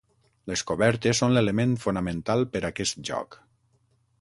Les cobertes són l'element fonamental per aquest joc.